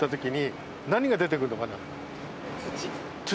土！